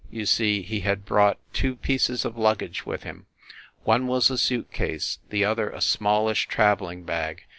You see, he had brought two pieces of luggage with him. One was a suit case, the other a smallish traveling bag.